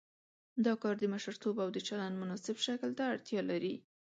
دا کار د مشرتوب او د چلند مناسب شکل ته اړتیا لري.